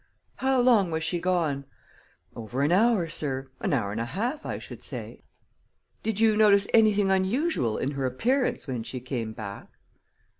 "How long was she gone?" "Over an hour, sir; an hour an' a half, I should say." "Did you notice anything unusual in her appearance when she came back?"